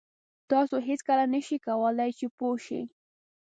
تاسو هېڅکله نه شئ کولای چې پوه شئ.